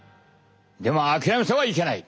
でも諦めてはいけない！